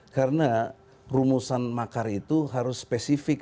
karena rumusan makar itu harus spesifik